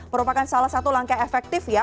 merupakan salah satu langkah efektif ya